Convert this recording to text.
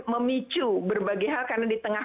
memicu berbagai hal karena di tengah